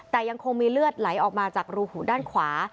แต่ยังคงมีเลือดไหลออกมาจากรูหูด้านขวา